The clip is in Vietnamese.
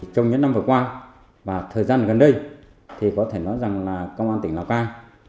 trong những năm vừa qua và thời gian gần đây thì có thể nói rằng là công an tỉnh lào cai